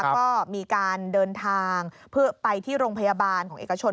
ก็มีการเดินทางเพื่อไปที่โรงพยาบาลของเอกชน